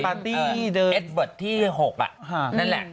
ตั้งแต่สมัยเอ็ดเวิร์ดที่๖นั่นแหละ